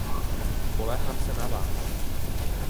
Spoléhám se na vás.